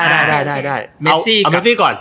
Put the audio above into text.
เอาเมซี่ก่อน